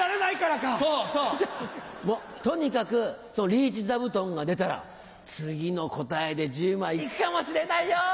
とにかくリーチ座布団が出たら次の答えで１０枚行くかもしれないよ！